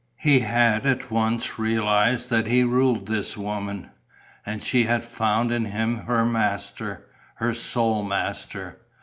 He had at once realized that he ruled this woman. And she had found in him her master, her sole master.